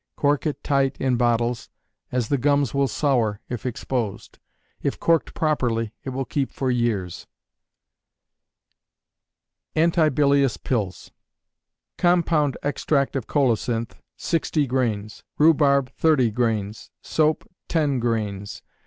Cork it tight in bottles, as the gums will sour, if exposed. If corked properly it will keep for years. Anti Bilious Pills. Compound extract of colocynth, 60 grains; rhubarb, 30 grains; soap, 10 grains.